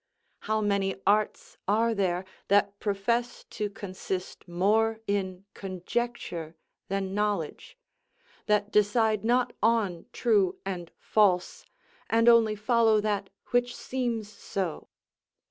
How many arts are there that profess to consist more in conjecture than knowledge; that decide not on true and false, and only follow that which seems so!